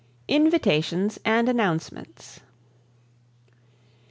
Invitations and Announcements.